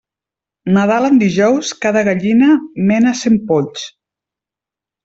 Nadal en dijous, cada gallina mena cent polls.